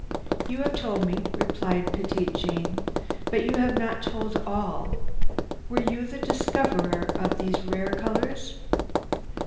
"You have told me," replied Petite Jeanne, "but you have not told all. Were you the discoverer of these rare colors?"